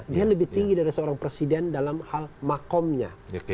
dia lebih tinggi dari seorang presiden dalam hal makomnya